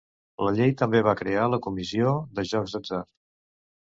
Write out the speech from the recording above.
La llei també va crear la comissió de jocs d'atzar.